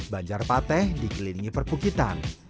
banjar pateh dikelilingi perpukitan